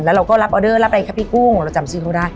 แล้วเราก็รับออเดอร์รับอะไรคะพี่กุ้งเราจำชื่อเขาได้